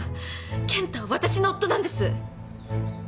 健太は私の夫なんです。